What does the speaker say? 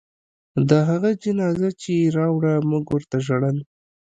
د هغه جنازه چې يې راوړه موږ ورته ژړل.